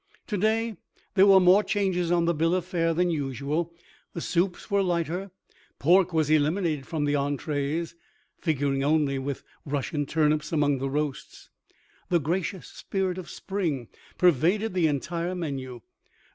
To day there were more changes on the bill of fare than usual. The soups were lighter; pork was eliminated from the entrées, figuring only with Russian turnips among the roasts. The gracious spirit of spring pervaded the entire menu.